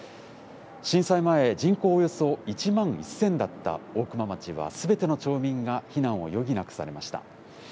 震災前、人口およそ１万１０００だった大熊町は、すべての町民が避難を余儀なくされました。